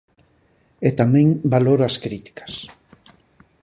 E tamén valoro as críticas.